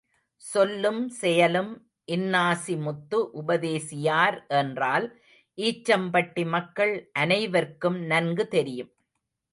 சொல்லும் செயலும் இன்னாசிமுத்து உபதேசியார் என்றால் ஈச்சம்பட்டி மக்கள் அனைவர்க்கும் நன்கு தெரியும்.